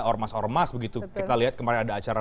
ormas ormas begitu kita lihat kemarin ada acara